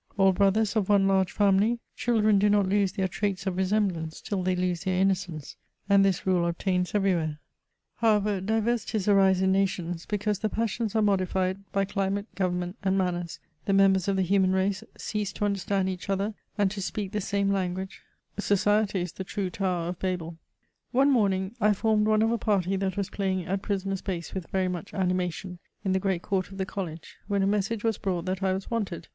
All brothers, of <me large family, children vdo not lose their traits of resemblance till they lose. their innocence, and this rule obtains everywhere. However, diver Bonaparte and the Bourbons. (Note at Genoa^ 1831.) CHATBAUBRUND. 103 sities arise in natiooBy because the passions are modified by climate, government, and manners, the members of the human race cease to understand each other and to speak the same language : society is the true tower of Babel. One morning I formed one of a party that was playing at prisoners base with very much animation in the great court of the College, when a message was brought that I was wanted.